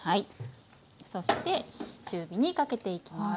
そして中火にかけていきます。